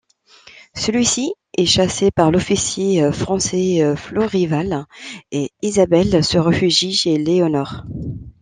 Celui-ci est chassé par l'officier français Florival et Isabelle se réfugie chez Léonore.